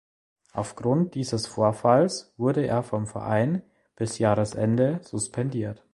Aufgrund dieses Vorfalls wurde er vom Verein bis Jahresende suspendiert.